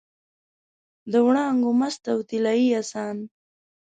د وړانګو مست او طلايي اسان